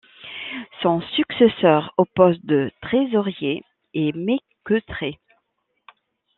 Son successeur au poste de trésorier est Méketrê.